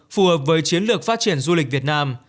phù hợp với chiến lược phát triển du lịch việt nam